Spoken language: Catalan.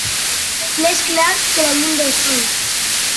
Més clar que la llum del sol.